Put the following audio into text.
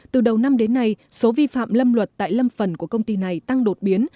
từ đầu năm đến nay số vi phạm lâm luật tại lâm phần của công ty này tăng đột biến